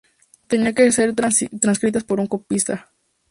Tenían que ser transcritas por un copista.